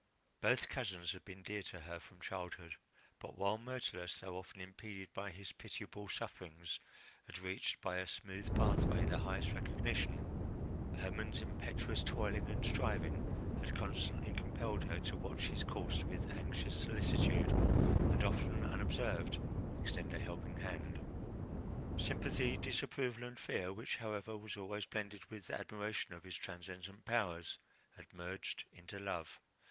Both cousins had been dear to her from childhood; but while Myrtilus, though often impeded by his pitiable sufferings, had reached by a smooth pathway the highest recognition, Hermon's impetuous toiling and striving had constantly compelled her to watch his course with anxious solicitude and, often unobserved, extend a helping hand. Sympathy, disapproval, and fear, which, however, was always blended with admiration of his transcendent powers, had merged into love.